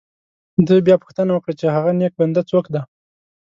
ده بیا پوښتنه وکړه چې هغه نیک بنده څوک دی.